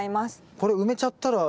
これ埋めちゃったらえっ